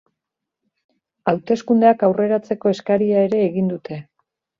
Hauteskundeak aurreratzeko eskaria ere egin dute.